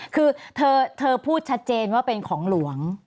คือเธอพูดชัดเจนว่าเป็นของหลวง